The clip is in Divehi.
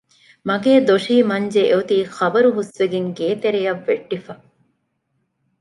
މަގޭ ދޮށީ މަންޖެ އޮތީ ޚަބަރު ހުސްވެގެން ގޭތެރެއަށް ވެއްޓިފަ